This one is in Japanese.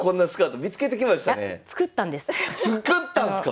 作ったんです。